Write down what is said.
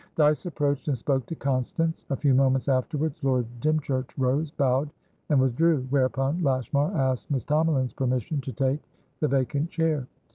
Dyce approached, and spoke to Constance. A few moments afterwards, Lord Dymchurch rose, bowed, and withdrew; whereupon Lashmar asked Miss Tomalin's permission to take the vacant chair.